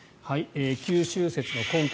九州説の根拠